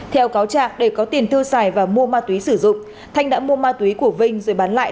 theo cáo trạc để có tiền thư xài và mua ma tuế sử dụng thanh đã mua ma tuế của vinh rồi bán lại